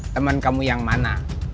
temen kamu yang mana